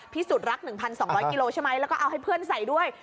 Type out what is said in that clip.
พิสูจน์รัก๑๒๐๐กิโลใช่ไหมแล้วก็เอาให้เพื่อนใส่ด้วย